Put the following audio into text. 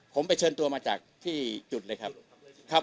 ผมไปเชิญตัวมาจากที่จุดเลยครับ